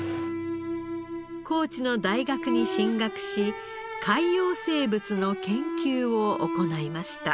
高知の大学に進学し海洋生物の研究を行いました。